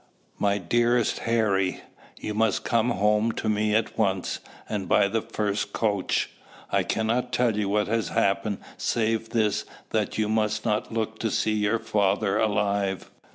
"My dearest Harry, "You must come home to me at once, and by the first coach. I cannot tell you what has happened save this that you must not look to see your father alive.